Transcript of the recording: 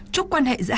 chúc quan hệ giữa hai